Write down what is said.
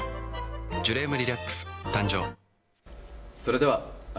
ジュレームリラックス誕生。